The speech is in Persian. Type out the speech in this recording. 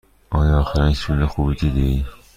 آیا اخیرا هیچ فیلم خوبی دیدی؟